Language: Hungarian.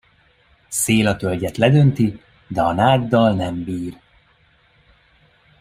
Szél a tölgyet ledönti, de a náddal nem bír.